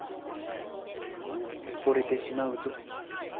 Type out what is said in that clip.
惚れてしまうぞ。